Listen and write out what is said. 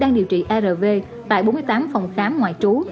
đang điều trị arv tại bốn mươi tám phòng khám ngoại trú